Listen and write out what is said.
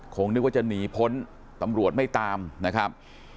นึกว่าจะหนีพ้นตำรวจไม่ตามนะครับ